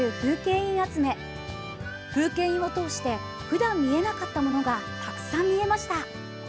風景印を通してふだん見えなかったものがたくさん見えました。